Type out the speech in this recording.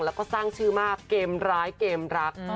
แล้วก็สร้างชื่อมากเกมร้ายเกมรัก